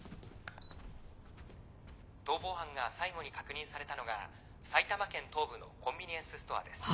「逃亡犯が最後に確認されたのが埼玉県東部のコンビニエンスストアです」。